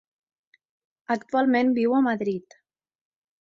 Actualment viu a Madrid.